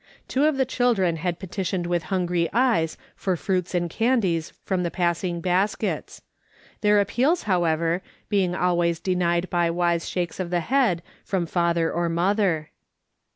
Two of the children had petitioned M'ith hungry eyes for fruits and candies from the passing baskets ; their appeals, however, being always denied by wise shakes of the head from father or mother.